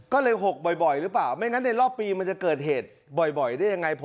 ก็เลย๖บ่อยหรือเปล่าไม่งั้นในรอบปีมันจะเกิดเหตุบ่อยได้ยังไง